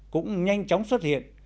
cũng nhanh chóng xuất hiện